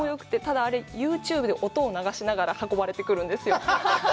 でも、あれ、ユーチューブで音を流しながら運ばれてくるんですよ。